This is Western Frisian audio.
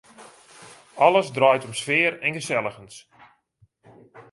Alles draait om sfear en geselligens.